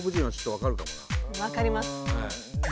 分かります。